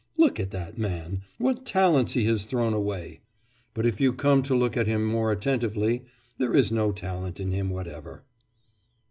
"Look at that man; what talents he has thrown away!" But if you come to look at him more attentively, there is no talent in him whatever.